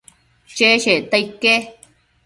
cheshecta ique